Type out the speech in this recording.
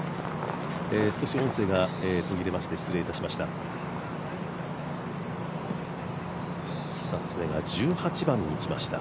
少し音声が途切れまして失礼いたしました。